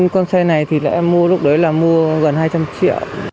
con xe này thì em mua lúc đấy là mua gần hai trăm linh triệu